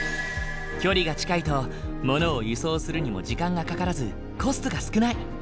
距離が近いと物を輸送するにも時間がかからずコストが少ない。